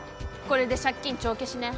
これで借金帳消しね。